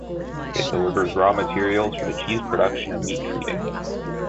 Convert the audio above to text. It delivers raw materials for the cheese production and meat treating.